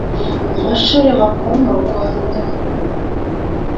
amashuri makuru mu rwanda